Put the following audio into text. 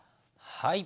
はい。